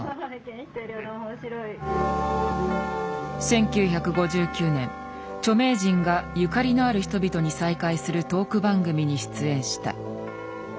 １９５９年著名人がゆかりのある人々に再会するトーク番組に出演した。